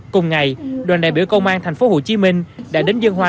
cùng ngày đoàn đại biểu công an thành phố hồ chí minh đã đến dân hoa